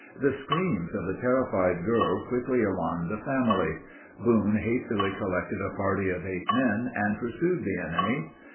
The screams of the terrified girls quickly alarmed the family. Boone hastily collected a party of eight men, and pursued the enemy.